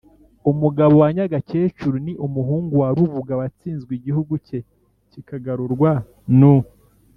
umugabo wa nyagakecuru. ni umuhungu wa rubuga watsinzwe, igihugu cye kikagarurwa n’ u